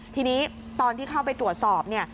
ทีนี้ตอนที่เข้าไปตรวจสอบเนี่ย